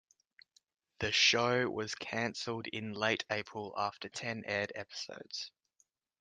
The show was canceled in late-April after ten aired episodes.